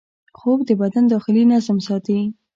خوب د بدن داخلي نظم ساتي